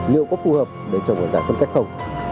liệu có phù hợp để trồng ở giảm phân cách không